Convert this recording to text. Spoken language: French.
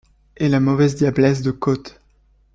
Et la mauvaise diablesse de côte!